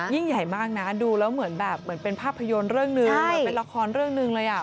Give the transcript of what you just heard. ยิ่งใหญ่มากนะดูแล้วเหมือนแบบเหมือนเป็นภาพยนตร์เรื่องหนึ่งเหมือนเป็นละครเรื่องหนึ่งเลยอ่ะ